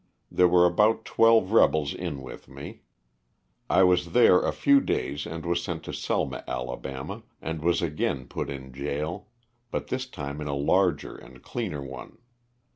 There were about twelve rebels in with me. I was there a few days and was sent to Selma, Ala., and was again put in jail, but this time in a larger and cleaner one.